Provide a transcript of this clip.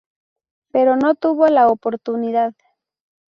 Pero no tuvo la oportunidad.